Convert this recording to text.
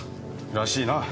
らしいな。